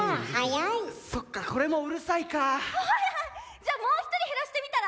じゃあもう１人減らしてみたら？